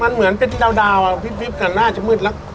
มันเหมือนเป็นดาวพิบแต่น่าจะมืดแล้ว